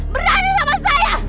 berani sama saya